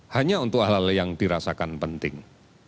hanya untuk hal hal yang dirasakan penting